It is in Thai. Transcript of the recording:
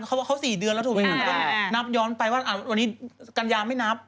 เขาบอกเขา๔เดือนแล้วถูกไหมคะนับย้อนไปว่าวันนี้กัญญาไม่นับ